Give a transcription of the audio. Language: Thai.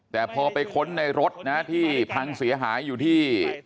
แต่พอไปค้นในรถนะที่พังเสียหายอยู่ที่